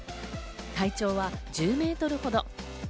体長は１０メートルほど。